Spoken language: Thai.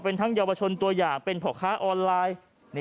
เป็นทั้งเยาวชนตัวอย่างเป็นพ่อค้าออนไลน์